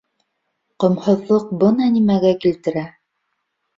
Ҡомһоҙлоҡ бына нимәгә килтерә!